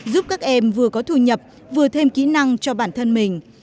giúp các em vừa có thu nhập vừa thêm kỹ năng cho bản thân mình